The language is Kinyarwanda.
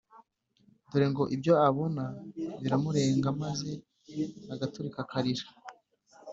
dore ngo ibyo abona biramurenga maze agaturika akarira